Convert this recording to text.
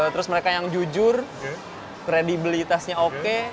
terus mereka yang jujur kredibilitasnya oke